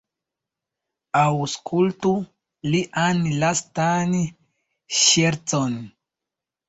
Aŭskultu lian lastan ŝercon!